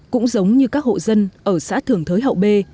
cũng giống như các hộ dân ở xã thường thới hậu bê